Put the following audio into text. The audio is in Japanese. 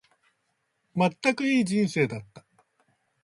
まったく、いい人生だった。